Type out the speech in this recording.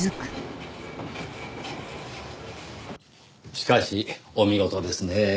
しかしお見事ですねぇ。